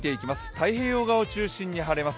太平洋側を中心に晴れます。